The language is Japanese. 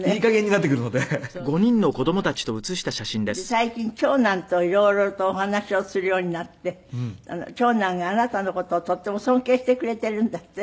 最近長男と色々とお話をするようになって長男があなたの事をとっても尊敬してくれているんだって？